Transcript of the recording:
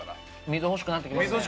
水欲しくなってきますね。